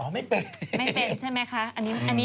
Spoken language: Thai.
อ๋อไม่เป็น